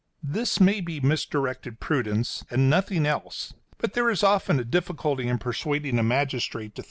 This may be misdirected prudence, and nothing else, but there is often a difficulty in persuading a magistrate to think so.